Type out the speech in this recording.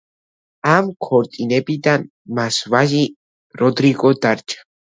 ამ ქორწინებიდან მას ვაჟი როდრიგო დარჩა.